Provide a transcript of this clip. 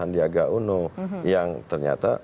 di aga uno yang ternyata